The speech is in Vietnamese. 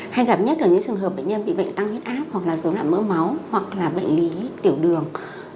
hay gặp nhất là những trường hợp bệnh nhân bị bệnh tăng huyết áp hoặc giống như mỡ máu hoặc bệnh lý tiểu đường